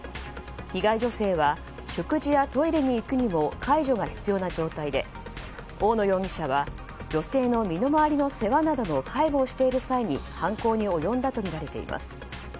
被害女性は食事やトイレに行くにも介助が必要な状態で大野容疑者は女性の身の回りの世話などの介護をしている際に犯行に及んだとみられています。